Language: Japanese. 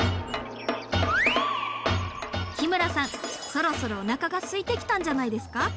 日村さんそろそろおなかがすいてきたんじゃないですか？